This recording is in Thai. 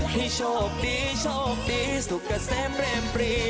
ให้โชคดีโชคดีสุขเซฟเรียบรี